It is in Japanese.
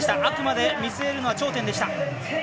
あくまで見据えるのは頂点でした。